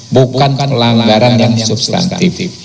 bukan pelanggaran yang substantif